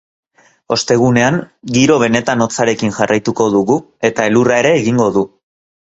Ostegunean, giro benetan hotzarekin jarraituko dugu, eta elurra ere egingo du.